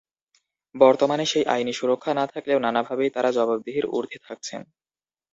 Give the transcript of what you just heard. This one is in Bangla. বর্তমানে সেই আইনি সুরক্ষা না থাকলেও নানাভাবেই তারা জবাবদিহির ঊর্ধ্বে থাকছে।